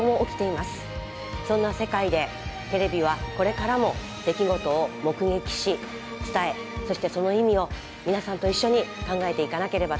そんな世界でテレビはこれからも出来事を目撃し伝えそしてその意味を皆さんと一緒に考えていかなければと強く感じています。